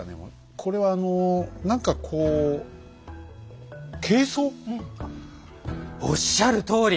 これはあの何かこうおっしゃるとおり！